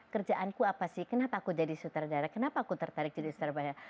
kerjaanku apa sih kenapa aku jadi sutradara kenapa aku tertarik jadi surabaya